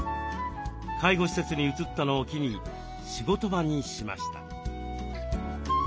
介護施設に移ったのを機に仕事場にしました。